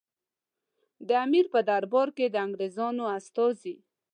د امیر په دربار کې د انګریزانو استازي.